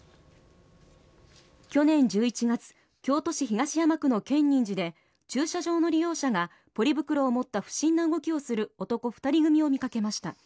去年１１月京都市東山区の建仁寺で駐車場の利用者がポリ袋を持った不審な動きをする男２人組を見掛けました。